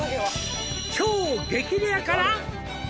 「超激レアから」